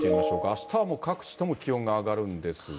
あしたはもう、各地とも気温が上がるんですが。